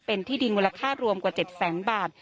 เป็นที่ดินมูลค่ารวมกว่า๗แสนบาท